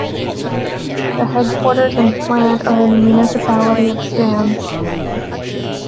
The headquarters and plant are in the municipality of Stans.